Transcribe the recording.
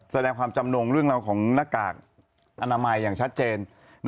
แสดงความจำนงเรื่องราวของหน้ากากอนามัยอย่างชัดเจน